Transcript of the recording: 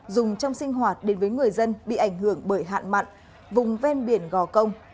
dùng trong sinh hoạt đến với người dân bị ảnh hưởng bởi hạn mặn vùng ven biển gò công